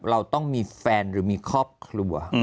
เราต้องมีแฟนหรือมีครอบครัว